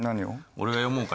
俺が読もうか？